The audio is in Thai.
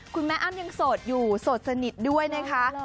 แม่อ้ำยังโสดอยู่โสดสนิทด้วยนะคะ